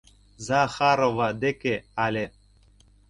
За-ха-рова деке але...